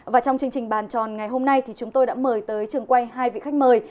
và trong chương trình bàn tròn ngày hôm nay thì chúng tôi đã mời tới trường quay hai vị khách mời